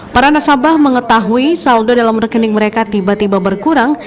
para nasabah mengetahui saldo dalam rekening mereka tiba tiba berkurang